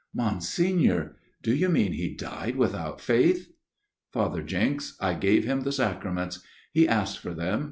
" Monsignor ! Do you mean he died without faith ?" "Father Jenks, I gave him the sacraments. I He asked for them.